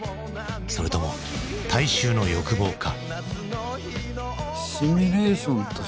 それとも大衆の欲望か？